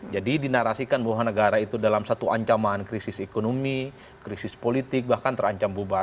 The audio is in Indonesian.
jadi dinarasikan bahwa negara itu dalam satu ancaman krisis ekonomi krisis politik bahkan terancam bubar